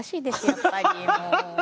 やっぱりもう。